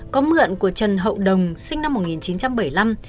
có mượn của trần hậu đồng sinh năm một nghìn chín trăm bảy mươi năm